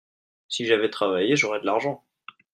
si j'avais travaillé, j'aurais de l'argent.